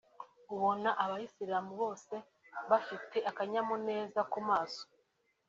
ubona Abayisilamu bose bafite akanyamuneza ku maso